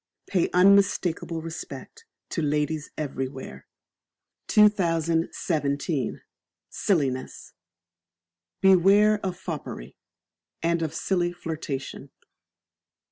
Pay unmistakable Respect to ladies everywhere. 2017. Silliness. Beware of Foppery, and of silly flirtation.